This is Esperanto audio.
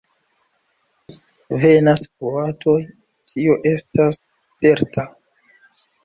Venas boatoj, tio estas certa.